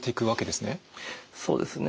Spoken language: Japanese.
そうですね。